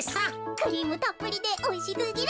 クリームたっぷりでおいしすぎる。